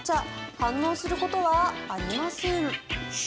反応することはありません。